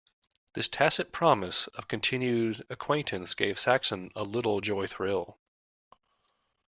This tacit promise of continued acquaintance gave Saxon a little joy-thrill.